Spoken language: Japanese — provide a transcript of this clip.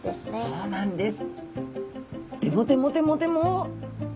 そうなんです。